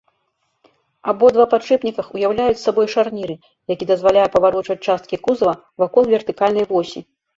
Абодва падшыпніках уяўляюць сабой шарніры, які дазваляе паварочваць часткі кузава вакол вертыкальнай восі.